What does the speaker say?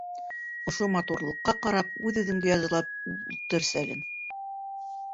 Ошо матурлыҡҡа ҡарап, үҙ-үҙеңде язалап ултырсәлең.